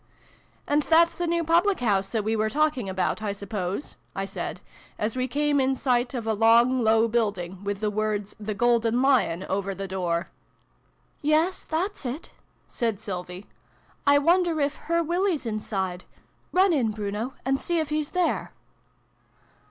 " And that's the new public house that we were talking about, I suppose ?" I said, as we came in sight of a long low building, with the words ' THE GOLDEN LION ' over the door. v] MATILDA JANE. 79 "Yes, that's it," said Sylvie. "1 wonder if her Willie's inside ? Run in, Bruno, and see if he's there."